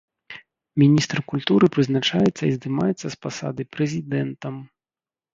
Міністр культуры прызначаецца і здымаецца з пасады прэзідэнтам.